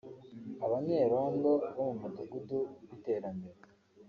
Abanyerondo bo mu Mudugudu w’Iterambere